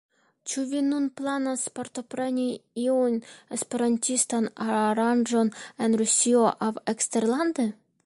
Ĉu vi nun planas partopreni iun esperantistan aranĝon en Rusio aŭ eksterlande?